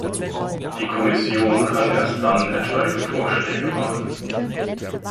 Die Kommission kann erst dann etwaige Vorschläge machen.